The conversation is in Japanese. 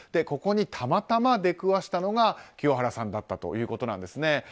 ここに、たまたま出くわしたのが清原さんだったということです。